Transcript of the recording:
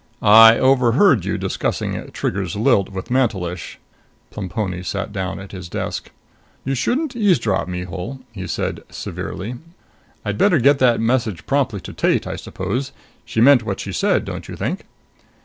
"I overheard you discussing Trigger's lilt with Mantelish." Plemponi sat down at his desk. "You shouldn't eavesdrop, Mihul," he said severely. "I'd better get that message promptly to Tate, I suppose. She meant what she said, don't you think?"